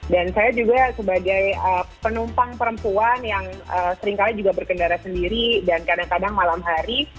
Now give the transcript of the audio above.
dan saya juga sebagai penumpang perempuan yang seringkali juga berkendara sendiri dan kadang kadang malam hari